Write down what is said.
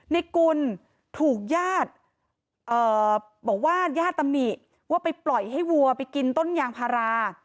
นิกุลถูกย่าดบอกว่าย่าดตมิว่าไปปล่อยให้วัวไปกินต้นยางพารา